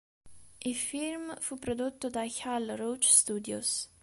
Il film fu prodotto dagli Hal Roach Studios.